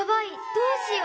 どうしよう。